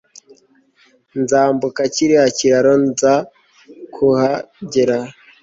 nzambuka kiriya kiraro nza kuhagera